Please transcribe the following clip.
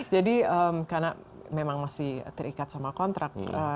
jadi karena memang masih terikat sama kontrak